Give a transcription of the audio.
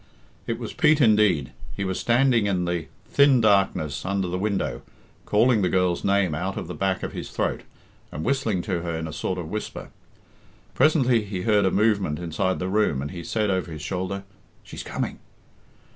It was Pete indeed. He was standing in the thin darkness under the window, calling the girl's name out of the back of his throat, and whistling to her in a sort of whisper. Presently he heard a movement inside the room, and he said over his shoulder, "She's coming."